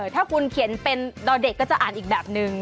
ถ้าคุณเขียนเป็นดอเด็กก็จะอ่านอีกแบบนึง